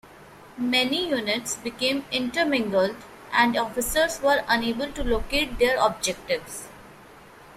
Many units became intermingled and officers were unable to locate their objectives.